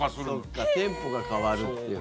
そうかテンポが変わるっていうね。